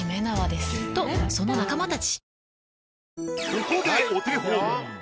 ここでお手本。